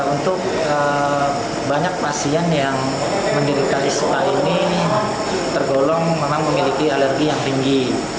untuk banyak pasien yang mendirikan ispa ini tergolong memang memiliki alergi yang tinggi